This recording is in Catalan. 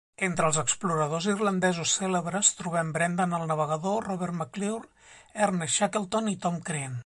Entre els exploradors irlandesos cèlebres trobem Brendan El Navegador, Robert McClure, Ernest Shackleton i Tom Crean.